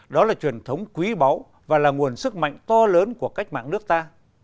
đó là truyền thống quý báu và là nguồn sức mạnh to lớn của cách mạng nước ta